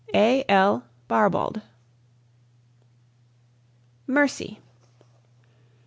A.L. BARBAULD. MERCY.